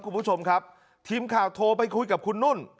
คุณผู้ชมครับทีมข่าวโทรไปคุยกับคุณนุ่น